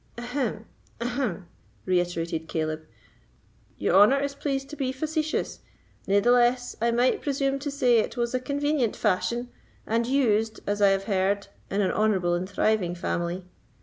"Ahem! ahem!" reiterated Caleb, "your honour is pleased to be facetious; natheless, I might presume to say it was a convenient fashion, and used, as I have heard, in an honourable and thriving family.